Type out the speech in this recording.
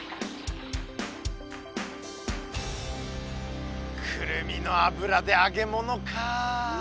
クルミの油で揚げ物かいいね。